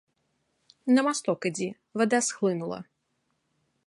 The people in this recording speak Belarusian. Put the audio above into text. На масток ідзі, вада схлынула.